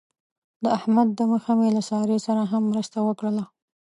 د احمد د مخه مې له سارې سره هم مرسته وکړله.